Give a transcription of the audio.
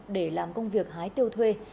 để làm công việc hái tiêu thuê